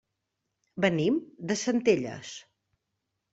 Venim de Centelles.